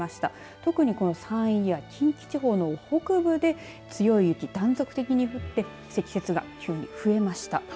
特に山陰や近畿地方の北部で強い雪、断続的に降って積雪が急に増えました。